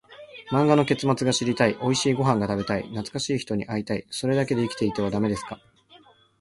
漫画の結末が知りたい、おいしいご飯が食べたい、懐かしい人に会いたい、それだけで生きていてはダメですか？